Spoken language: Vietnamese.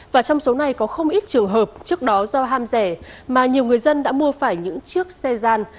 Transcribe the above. và trong số này có không ít trường hợp trước đó do ham rẻ mà nhiều người dân đã mua phải những chiếc xe gian